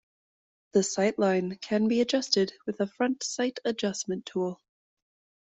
The sight line can be adjusted with a front sight adjustment tool.